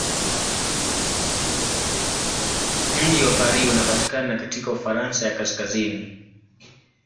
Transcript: Mji wa Paris unapatikana katika Ufaransa ya kaskazini.